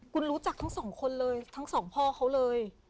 คุณรู้จักทั้งสองคนเลยทั้งสองพ่อเขาเลย